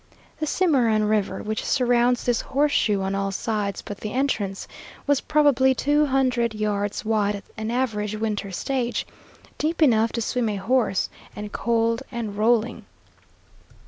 The Cimarron River, which surrounds this horseshoe on all sides but the entrance, was probably two hundred yards wide at an average winter stage, deep enough to swim a horse, and cold and rolling.